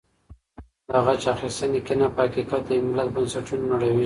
د غچ اخیستنې کینه په حقیقت کې د یو ملت بنسټونه نړوي.